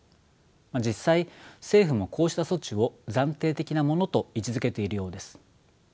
実際政府もこうした措置を暫定的なものと位置づけているようです。